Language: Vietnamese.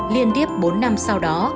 liên tiếp bốn năm sau đó